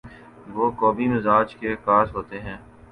وہ قومی مزاج کے عکاس ہوتے ہیں۔